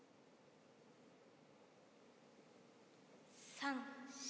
３４。